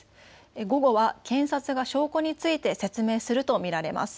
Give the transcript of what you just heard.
午後は検察が証拠について説明すると見られます。